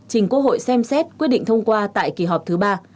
trình quốc hội xem xét quyết định thông qua tại kỳ họp thứ ba